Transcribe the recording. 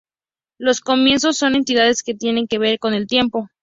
Los comienzos son entidades que tienen que ver con el tiempo.